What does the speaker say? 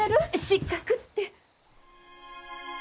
失格って。